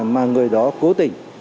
mà người đó cố tình